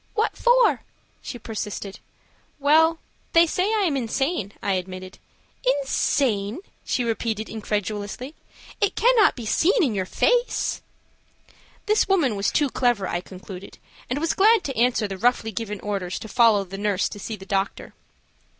"What for?" she persisted. "Well, they say I am insane," I admitted. "Insane!" she repeated, incredulously. "It cannot be seen in your face." This woman was too clever, I concluded, and was glad to answer the roughly given orders to follow the nurse to see the doctor.